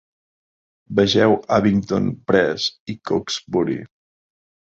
Vegeu Abingdon Press i Cokesbury.